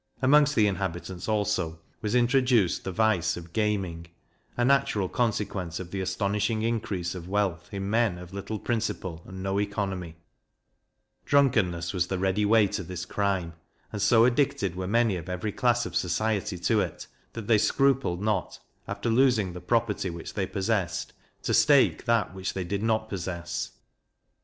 Amongst the inhabitants, also, was introduced the vice of gaming a natural consequence of the astonishing increase of wealth in men of little principle and no economy; drunkenness was the ready way to this crime, and so addicted were many of every class of society to it, that they scrupled not, after losing the property which they possessed, to stake that which they did not possess.